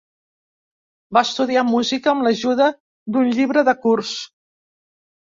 Va estudiar música amb l'ajuda d'un llibre de curs.